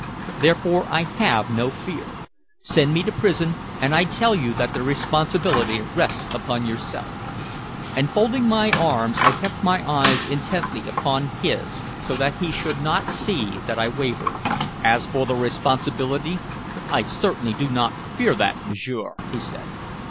"Therefore I have no fear. Send me to prison, and I tell you that the responsibility rests upon yourself." And folding my arms I kept my eyes intently upon his, so that he should not see that I wavered. "As for the responsibility, I certainly do not fear that, m'sieur," he said.